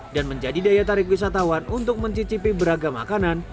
dan menjadi daya tarik wisatawan untuk mencicipi beragam makanan